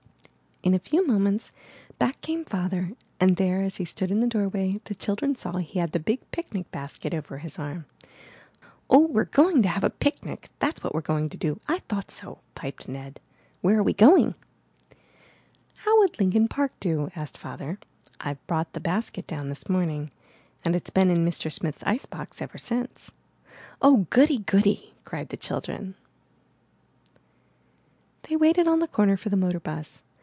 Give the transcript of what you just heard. In a few moments back came Father, and there, as he stood in the doorway, the children saw he had the big picnic basket over his arm. *'0h, we're going to have a picnic, that's what we're going to do! I thought so!'' piped Ned. * Where are we going?" *'How would Lincoln Park do?" asked Father. *'I brought the basket down this morning and it's been in Mr. Smith's ice box ever since." 0h, Goody! Goody!" cried the children. 412 IN THE NURSERY IV. They waited on the corner for the motor bus.